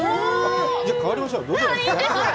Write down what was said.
じゃあ、代わりましょう。